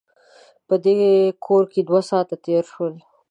په دې کور کې دوه ساعته تېر شول.